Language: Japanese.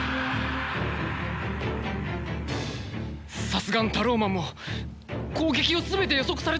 さすがのタローマンも攻撃を全て予測されてしまっては。